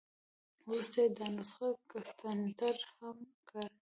وروسته یې دا نسخه ګسټتنر هم کړه.